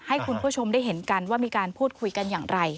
ให้คุณผู้ชมได้เห็นกันว่ามีการพูดคุยกันอย่างไร